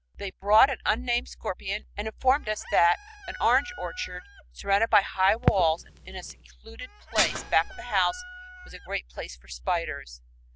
They brought an unnamed scorpion and informed us that an orange orchard surrounded by high walls in a secluded place back of the house was "a great place for spiders."